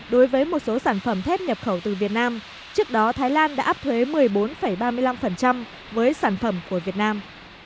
đối với một số sản phẩm thép nhập khẩu từ việt nam trước đó thái lan đã áp thuế một mươi bốn ba mươi năm với sản phẩm của việt nam